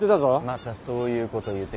またそういうこと言って。